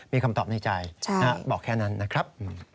มีคำตอบในใจบอกแค่นั้นนะครับ